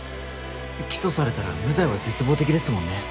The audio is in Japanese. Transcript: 起訴されたら無罪は絶望的ですもんね。